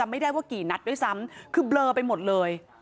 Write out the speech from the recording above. ไม่ได้ว่ากี่นัดด้วยซ้ำคือเบลอไปหมดเลย